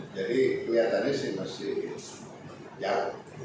jadi kelihatannya sih masih jauh